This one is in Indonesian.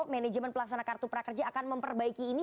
manajemen pelaksana kartu prakerja akan memperbaiki ini